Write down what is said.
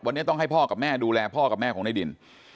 วันนี้ต้องให้พ่อกับแม่ดูแลพ่อกับแม่ของในดิน